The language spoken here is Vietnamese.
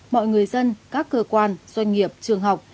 mọi người dân các cơ quan doanh nghiệp trường học